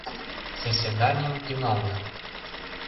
Заседанийым тӱҥална.